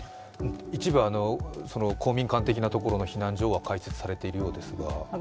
一部、公民館的なところの避難所が開設されているようですが。